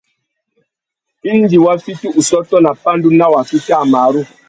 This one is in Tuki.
Indi wa fiti ussôtô nà pandú nà waki kā marru.